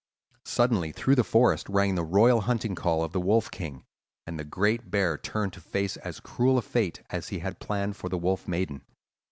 Suddenly through the forest rang the royal hunting call of the Wolf King, and the great bear turned to face as cruel a fate as he had planned for the Wolf Maiden.